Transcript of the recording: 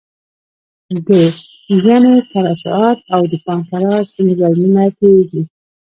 د ینې ترشحات او د پانکراس انزایمونه تویېږي.